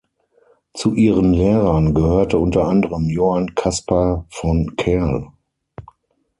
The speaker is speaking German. Zu ihren Lehrern gehörte unter anderem Johann Caspar von Kerll.